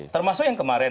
termasuk yang kemarin